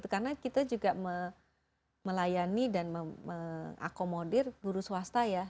karena kita juga melayani dan mengakomodir guru swasta ya